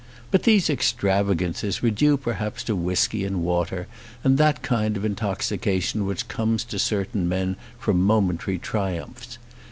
But these extravagances were due perhaps to whisky and water, and that kind of intoxication which comes to certain men from momentary triumphs.